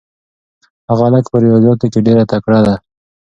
هغه هلک په ریاضیاتو کې ډېر تکړه دی.